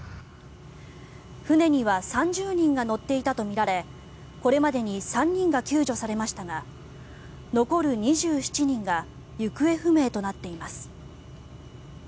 船には３０人が乗っていたとみられこれまでに３人が救助されましたが残る２７人が行方不明となっています。